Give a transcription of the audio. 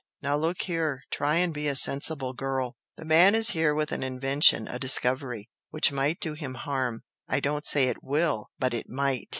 Now look here! try and be a sensible girl! The man is busy with an invention a discovery which might do him harm I don't say it WILL but it MIGHT.